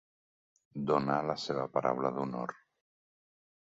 Donar la seva paraula d'honor.